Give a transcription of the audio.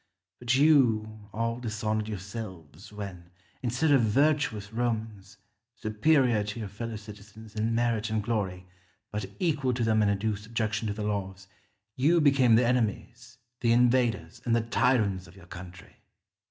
But you all dishonoured yourselves when, instead of virtuous Romans, superior to your fellow citizens in merit and glory, but equal to them in a due subjection to the laws, you became the enemies, the invaders, and the tyrants of your country.